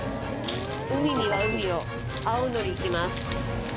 海には海を青のりいきます